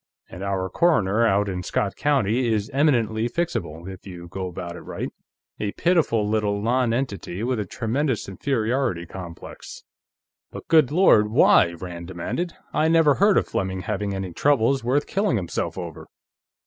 And our coroner, out in Scott County, is eminently fixable, if you go about it right; a pitiful little nonentity with a tremendous inferiority complex." "But good Lord, why?" Rand demanded. "I never heard of Fleming having any troubles worth killing himself over."